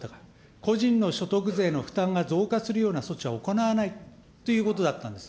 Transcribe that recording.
個人の所得税の負担が増加するような措置は行わないということだったんです。